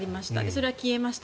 それは消えました。